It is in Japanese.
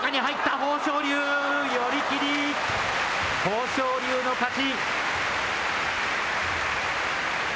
豊昇龍の勝ち！